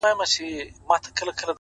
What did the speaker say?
هره پوښتنه نوی افق ښکاره کوي’